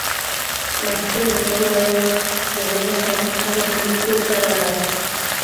مستو ورته وویل: د غله شړک هم زموږ کور ته راغی.